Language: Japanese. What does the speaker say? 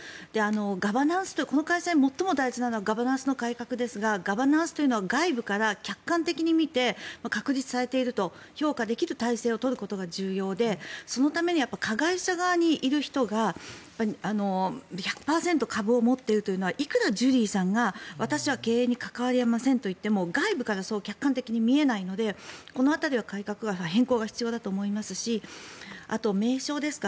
ガバナンスというこの会社に最も大事なのはガバナンスの改革ですがガバナンスというのは外部から見て隔離されていると評価できる体制を取ることが重要でそのために加害者側にいる人が１００％株を持っているというのはいくらジュリーさんが私は経営に関わりませんと言っても外部から客観的に見えないのでこの辺りは変更が必要だと思いますしあと、名称ですか。